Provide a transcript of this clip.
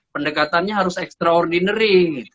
pendekatannya harus extraordinary